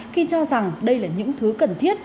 khi cho rằng đây là những thứ cần thiết